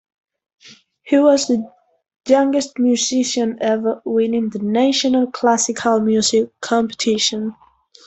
He was the youngest musician ever winning the national classical music competition.